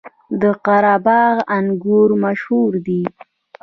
د قره باغ انګور مشهور دي